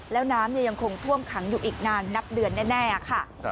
แล้วน้ำยังคงท่วมขังอยู่อีกนานนับเดือนแน่ค่ะ